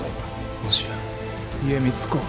もしや家光公は。